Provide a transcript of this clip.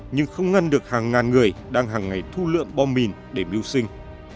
nhưng không ngăn được hàng ngàn người đang hàng ngày thu lượm bom mìn để mưu sinh